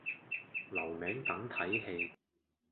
留名等睇戲